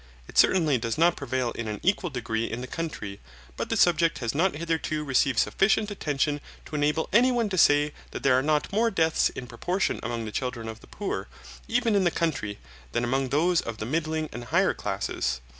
It certainly does not prevail in an equal degree in the country, but the subject has not hitherto received sufficient attention to enable anyone to say that there are not more deaths in proportion among the children of the poor, even in the country, than among those of the middling and higher classes.